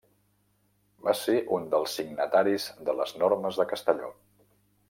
Va ser un dels signataris de les Normes de Castelló.